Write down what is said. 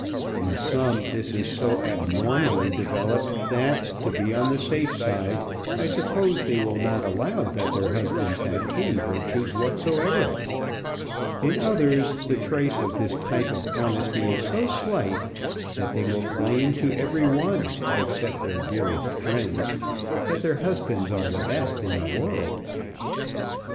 In some this is so abnormally developed that, to be on the safe side, I suppose, they will not allow that their husbands have any virtues whatever; in others the trace of this type of honesty is so slight that they will claim to every one, except their dearest friends, that their husbands are the best in the world.